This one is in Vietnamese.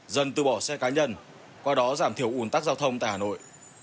dân từ bỏ xe cá nhân qua đó giảm thiểu ủn tắc giao thông tại hà nội